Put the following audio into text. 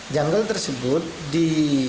janggel tersebut di